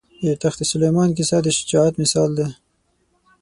د تخت سلیمان کیسه د شجاعت مثال ده.